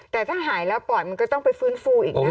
แต่ถ้าหายแล้วปล่อยมันก็ต้องไปฟื้นฟูอีกนะ